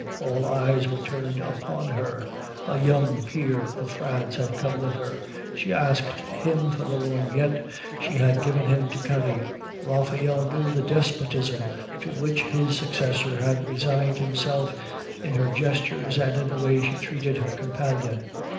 All eyes were turned upon her. A young peer of France had come with her; she asked him for the lorgnette she had given him to carry. Raphael knew the despotism to which his successor had resigned himself, in her gestures, and in the way she treated her companion.